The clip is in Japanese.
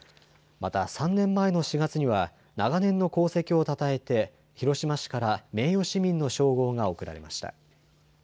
また３年前の４月には長年の功績をたたえて広島市から名誉市民の称号が贈られました。